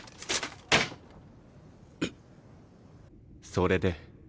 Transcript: それで？